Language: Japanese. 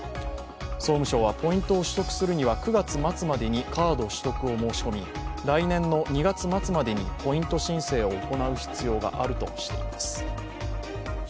総務省はポイントを取得するには９月末までにカード取得を申し込み来年の２月末までにポイント申請を行う必要があるとしています。